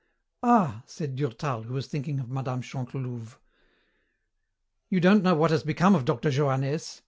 "Ah!" said Durtal, who was thinking of Mme. Chantelouve. "You don't know what has become of Dr. Johannès?"